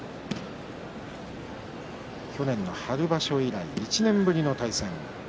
去年の春場所以来、１年ぶりの対戦。